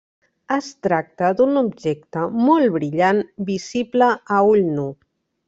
Es tracta d'un objecte molt brillant visible a ull nu.